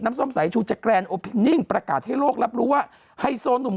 ส้มสายชูจากแกรนโอพิงนิ่งประกาศให้โลกรับรู้ว่าไฮโซหนุ่ม